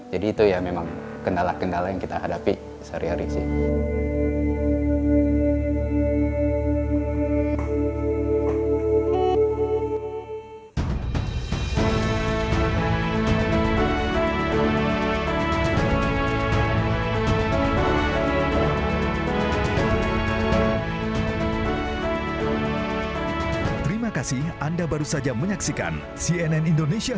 jadi itu ya memang kendala kendala yang kita hadapi sehari hari sih